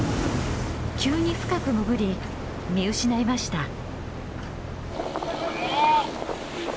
急に深く潜り見失いました。